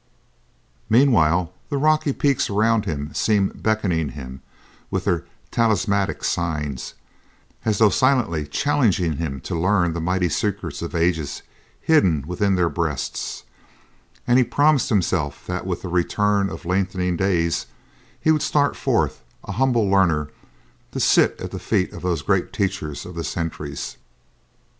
Meanwhile, the rocky peaks around him seemed beckoning him with their talismanic signs, as though silently challenging him to learn the mighty secrets for ages hidden within their breasts, and he promised himself that with the return of lengthening days, he would start forth, a humble learner, to sit at the feet of those great teachers of the centuries.